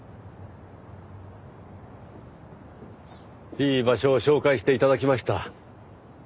いい場所を紹介して頂きました。